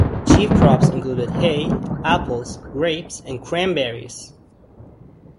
Chief crops included hay, apples, grapes and cranberries.